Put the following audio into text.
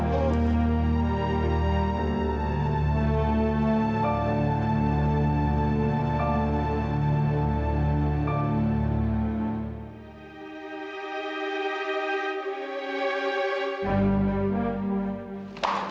mikir tentang terserahku